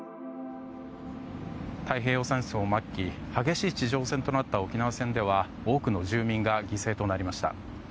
太平洋戦争末期激しい地上戦となった沖縄戦では多くの住民が犠牲となりました。